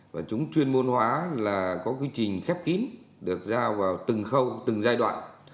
và chúng chuyên môn hóa là có quy trình khép kín được giao vào từng khâu từng giai đoạn